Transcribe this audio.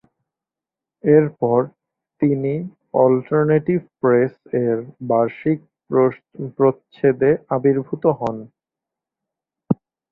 এরপর তিনি অল্টারনেটিভ প্রেস-এর বার্ষিক প্রচ্ছদে আবির্ভুত হন।